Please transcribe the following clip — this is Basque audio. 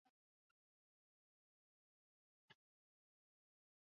Gramatikaren hierarkian justu esaldiaren behean doa.